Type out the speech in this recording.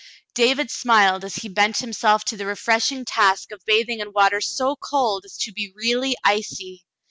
David smiled as he bent himself to the refreshing task of bathing in water so cold as to be really icy.